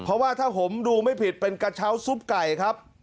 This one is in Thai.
เพราะว่าถ้าผมดูไม่ผิดเป็นกระเช้าซุปไก่ครับ